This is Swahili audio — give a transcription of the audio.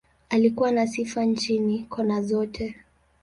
Alikuwa na sifa nchini, kona zote.